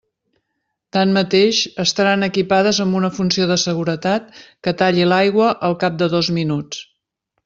Tanmateix, estaran equipades amb una funció de seguretat que talli l'aigua al cap de dos minuts.